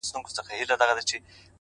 هره تجربه نوې پوهه زېږوي!